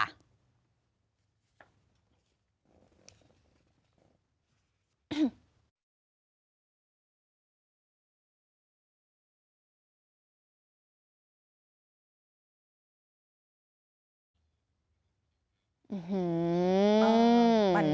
อืม